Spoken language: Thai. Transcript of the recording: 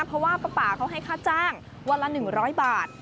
เพราะว่าป้าป่าเขาให้ค่าจ้างวันละ๑๐๐บาท